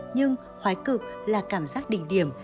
nhưng khoái cực là cảm giác đình điểm